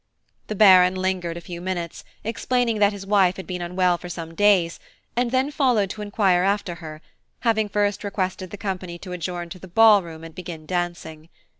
The Baron lingered a few minutes, explaining that his wife had been unwell for some days, and then followed to inquire after her, having first requested the company to adjourn to the ball room and begin dancing.